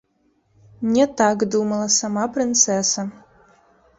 Не так думала сама прынцэса.